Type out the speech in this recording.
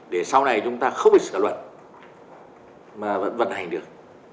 để sau này chúng ta không bị sửa luật mà vẫn vận hành được